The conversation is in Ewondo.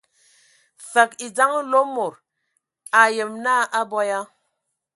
Fəg e dzeŋa Mlomodo, a ayem naa a abɔ ya.